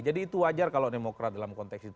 jadi itu wajar kalau demokrat dalam konteks itu